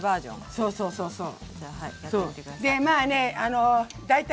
そうそうそうそう。